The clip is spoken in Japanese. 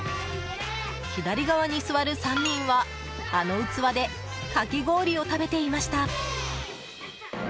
左側に座る３人はあの器でかき氷を食べていました。